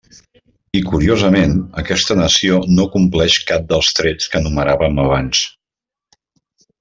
I curiosament, aquesta nació no compleix cap dels trets que enumeràvem abans.